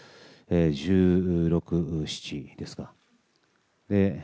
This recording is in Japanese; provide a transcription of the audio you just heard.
１６、７ですか。